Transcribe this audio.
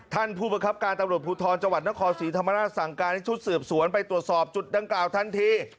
ท่านผู้ประคับการตำรวจภูทรจังหวัดนครศรีธรรมราชสั่งการให้ชุดสืบสวนไปตรวจสอบจุดดังกล่าวทันที